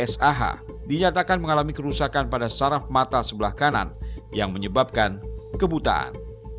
sah dinyatakan mengalami kerusakan pada saraf mata sebelah kanan yang menyebabkan kebutaan